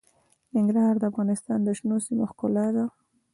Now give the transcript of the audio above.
ننګرهار د افغانستان د شنو سیمو ښکلا ده.